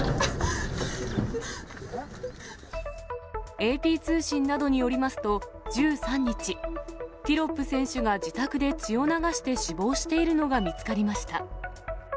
ＡＰ通信などによりますと、１３日、ティロップ選手が自宅で血を流して死亡しているのが見つかりました。